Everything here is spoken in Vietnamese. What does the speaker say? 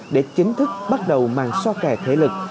để chính thức bắt đầu mang so kè thể lực